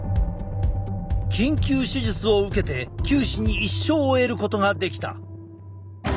緊急手術を受けて九死に一生を得ることができた。